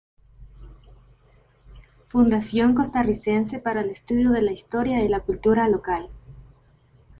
Fundación costarricense para el estudio de la historia y la cultura local.